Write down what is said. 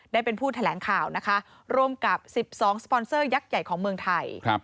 ได้เป็นผู้แถลงข่าวนะคะร่วมกับ๑๒สปอนเซอร์ยักษ์ใหญ่ของเมืองไทย